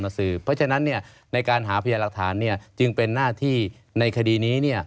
เพราะฉะนั้นในการหาพยานหลักฐานจึงเป็นหน้าที่ในคดีนี้